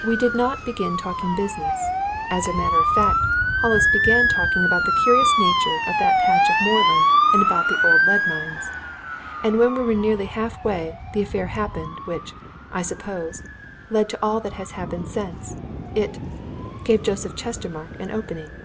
We did not begin talking business as a matter of fact, Hollis began talking about the curious nature of that patch of moorland and about the old lead mines. And when we were nearly half way, the affair happened which, I suppose, led to all that has happened since. It gave Joseph Chestermarke an opening.